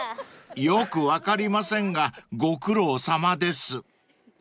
［よく分かりませんがご苦労さまです］